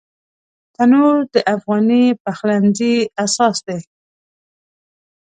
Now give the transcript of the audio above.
تنور د افغاني پخلنځي اساس دی